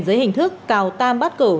dưới hình thức cào tam bắt cửu